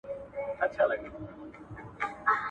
زه کولای سم ونې ته اوبه ورکړم؟!